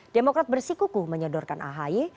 demokrat bersikuku menyedorkan ahy